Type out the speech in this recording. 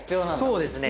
そうですね。